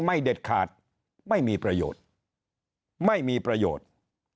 เด็ดขาดไม่มีประโยชน์ไม่มีประโยชน์